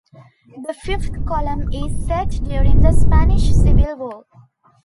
"The Fifth Column" is set during the Spanish Civil War.